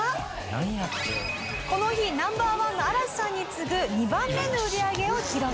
この日Ｎｏ．１の嵐さんに次ぐ２番目の売り上げを記録。